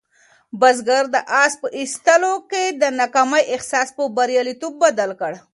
بزګر د آس په ایستلو کې د ناکامۍ احساس په بریالیتوب بدل کړ.